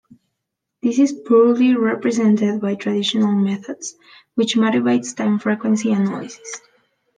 This is poorly represented by traditional methods, which motivates time-frequency analysis.